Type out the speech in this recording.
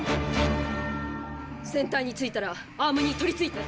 船体に着いたらアームに取り付いて。